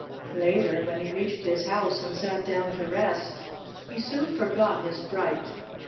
Later, when he reached his house and sat down to rest, he soon forgot his fright.